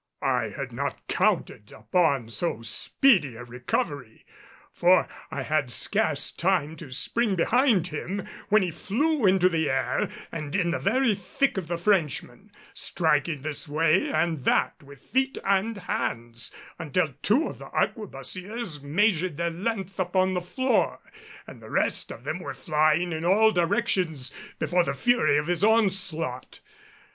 I had not counted upon so speedy a recovery, for I had scarce time to spring behind him when he flew into the air and in the very thick of the Frenchmen striking this way and that with feet and hands, until two of the arquebusiers measured their length upon the floor and the rest of them were flying in all directions before the fury of his onslaught.